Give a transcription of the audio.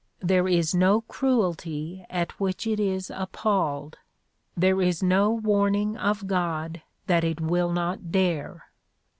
There is no cruelty at which it is appalled. There is no warning of God that it will not dare.